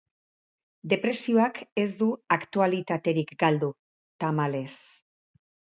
Depresioak ez du aktualitaterik galdu, tamalez.